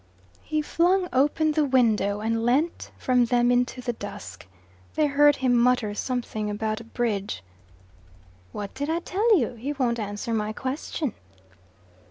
He flung open the window and leant from them into the dusk. They heard him mutter something about a bridge. "What did I tell you? He won't answer my question."